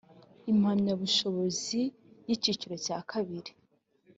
impamyabushobozi y icyiciro cya kabiri